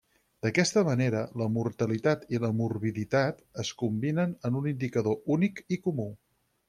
D'aquesta manera, la mortalitat i morbiditat es combinen en un indicador únic i comú.